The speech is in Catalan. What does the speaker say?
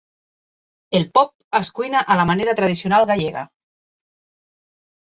El pop es cuina a la manera tradicional gallega.